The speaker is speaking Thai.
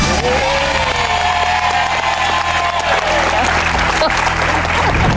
เย้เย้